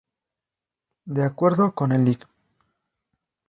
De acuerdo con el Lic.